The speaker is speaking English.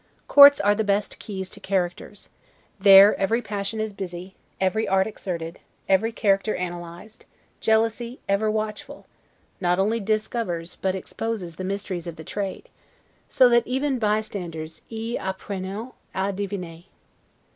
Courts are the best keys to characters; there every passion is busy, every art exerted, every character analyzed; jealousy, ever watchful, not only discovers, but exposes, the mysteries of the trade, so that even bystanders 'y apprennent a deviner'.